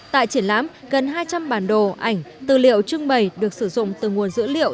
tại triển lãm gần hai trăm linh bản đồ ảnh tư liệu trưng bày được sử dụng từ nguồn dữ liệu